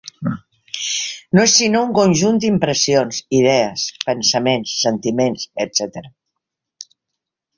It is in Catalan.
No és sinó un conjunt d'impressions, idees, pensaments, sentiments, etcètera.